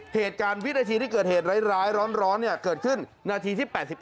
เหตุการณ์วินาทีที่เกิดเหตุร้ายร้อนเกิดขึ้นนาทีที่๘๑